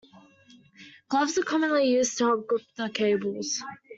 Gloves are commonly used to help grip the cables.